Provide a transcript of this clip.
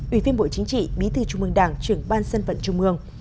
ủy viên bộ chính trị bí thư trung mương đảng trưởng ban dân vận trung mương